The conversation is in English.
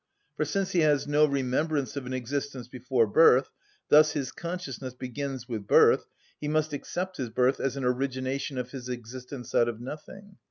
For since he has no remembrance of an existence before birth, thus his consciousness begins with birth, he must accept his birth as an origination of his existence out of nothing.